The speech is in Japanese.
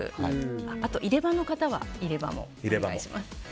あと、入れ歯の方は入れ歯もお願いします。